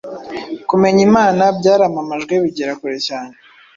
Kumenya Imana byaramamajwe bigera kure cyane